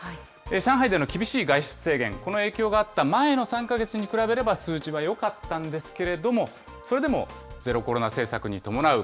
上海での厳しい外出制限、この影響があった前の３か月に比べれば数字はよかったんですけれども、それでもゼロコロナ政策に伴う